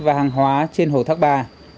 và hàng hóa trên hồ thác ba